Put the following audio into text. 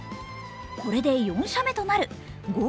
これで４社目となる。